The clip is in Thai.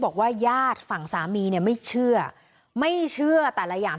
ญาติฝั่งสามีเนี่ยไม่เชื่อไม่เชื่อแต่ละอย่าง